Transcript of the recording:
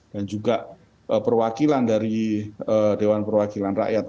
dan juga perwakilan dari dewan perwakilan rakyat